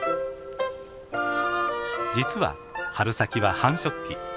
実は春先は繁殖期。